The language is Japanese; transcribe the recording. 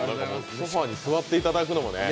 ソファーに座っていただいくのもね。